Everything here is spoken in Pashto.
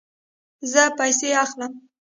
زه پیسې اخلم